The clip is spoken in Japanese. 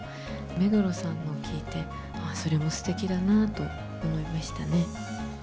目黒さんのを聞いて、それもすてきだなと思いましたね。